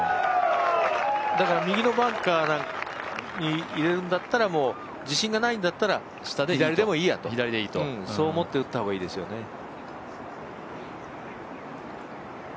だから右のバンカーに入れるんだったらもう自信がないんだったら左でもいいやとそう思って打った方がいいですよね。